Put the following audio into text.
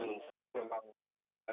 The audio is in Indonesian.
kondisi masih normal